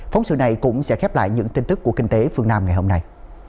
phóng sự này cũng sẽ khép lại những tin tức của kinh tế phương nam ngày hôm nay